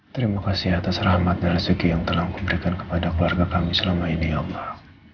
terima kasih atas rahmat dan rezeki yang telah engkau berikan kepada keluarga kami selama ini allah